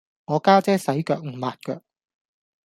我家姐洗腳唔抹腳